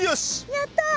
やった！